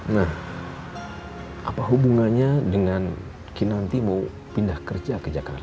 nah apa hubungannya dengan kinanti mau pindah kerja ke jakarta